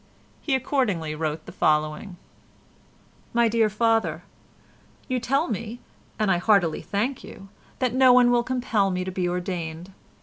He accordingly wrote the following: "My dear father,—You tell me—and I heartily thank you—that no one will compel me to be ordained.